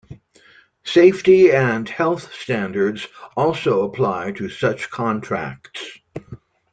Safety and health standards also apply to such contracts.